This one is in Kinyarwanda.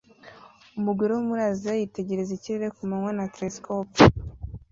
Umugore wo muri Aziya yitegereza ikirere ku manywa na telesikope